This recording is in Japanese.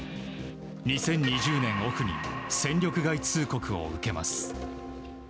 ２０２０年オフに戦力外通告を受けます。